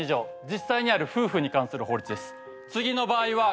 実際にある夫婦に関する法律です。